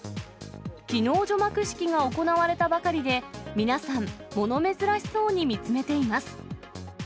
きのう除幕式が行われたばかりで、皆さん、もの珍しそうに見つめています。